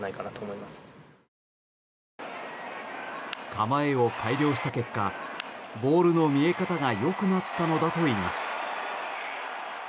構えを改良した結果ボールの見え方がよくなったのだといいます。